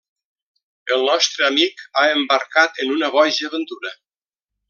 El nostre amic ha embarcat en una boja aventura.